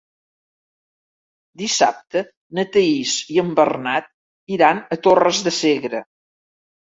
Dissabte na Thaís i en Bernat iran a Torres de Segre.